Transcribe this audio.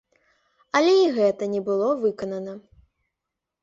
Але і гэта не было выканана.